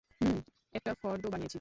হুম, একটা ফর্দ বানিয়েছি।